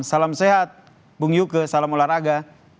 salam sehat bung yuke salam olahraga